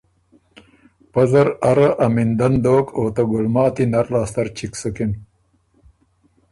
پۀ زر اره امیندن دوک او ته ګُلماتی نر لاسته ر چِګ سُکِن۔